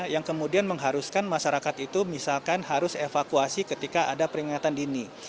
yang kemudian mengharuskan masyarakat itu misalkan harus evakuasi ketika ada peringatan dini